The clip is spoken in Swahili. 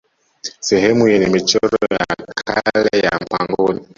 Sehemu yenye michoro ya kale ya mapangoni